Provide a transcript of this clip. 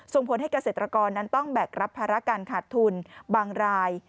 ส่งผลให้เกษตรกรนั้นต้องแบกรับภาระการขาดทุนบางราย